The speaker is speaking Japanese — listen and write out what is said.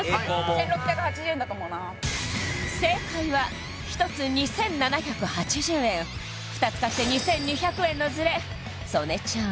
１６８０円だと思うな正解は１つ２７８０円２つ買って２２００円のズレ曽根ちゃん